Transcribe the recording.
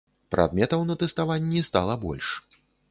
Прадметаў на тэставанні стала больш.